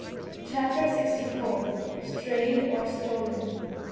CHAPTER SIXTY FOUR. "STRAYED OR STOLEN."